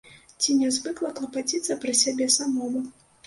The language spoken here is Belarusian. Ці нязвыкла клапаціцца пра сябе самому?